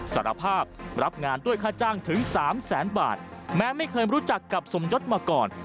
สารภาพรับงานด้วยค่าจ้างถึงสามแสนบาทแม้ไม่เคยรู้จักกับสมยศมาก่อน